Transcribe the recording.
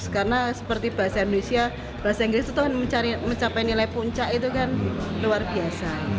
karena seperti bahasa indonesia bahasa inggris itu mencapai nilai puncak itu kan luar biasa